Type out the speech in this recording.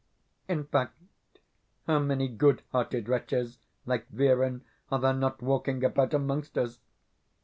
In fact, how many good hearted wretches like Virin are there not walking about amongst us?